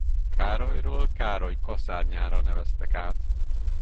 Károlyról Károly-kaszárnyára neveztek át.